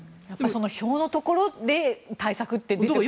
票のところで対策って出てくるわけですね。